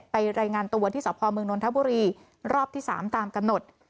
ไปรายงานตัวที่สอบพอล์เมืองดนตราบุรีรอบที่๓ตามกำหนด